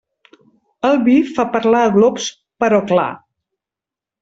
El vi fa parlar a glops, però clar.